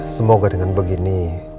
semoga dengan begini